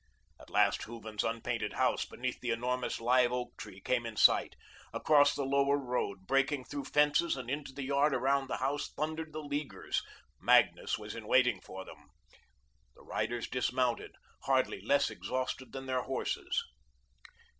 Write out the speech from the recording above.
At last Hooven's unpainted house, beneath the enormous live oak tree, came in sight. Across the Lower Road, breaking through fences and into the yard around the house, thundered the Leaguers. Magnus was waiting for them. The riders dismounted, hardly less exhausted than their horses.